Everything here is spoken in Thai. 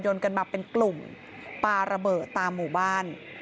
กันมาเป็นกลุ่มปาระเบิดตามหมู่บ้าน